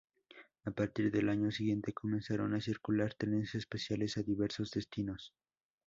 A partir del año siguiente comenzaron a circular trenes especiales a diversos destinos.